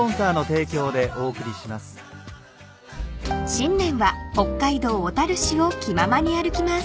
［新年は北海道小樽市を気ままに歩きます］